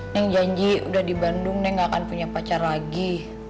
neng janji udah di bandung nih gak akan punya pacar lagi